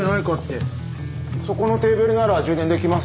そこのテーブルなら充電できます